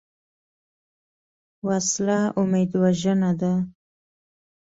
وسله امید وژنه ده